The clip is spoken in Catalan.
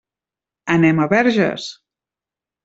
Anem a Verges.